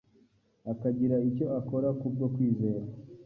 akagira icyo akora kubwo kwizera